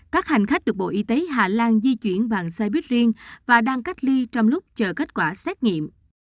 các hành khách được bộ y tế hà lan di chuyển bằng xe buýt riêng và đang cách ly trong lúc chờ kết quả xét nghiệm